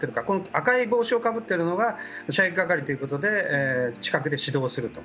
赤い帽子をかぶっているのが射撃係ということで近くで指導すると。